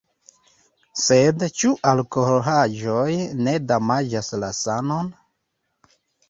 Sed ĉu alkoholaĵoj ne damaĝas la sanon?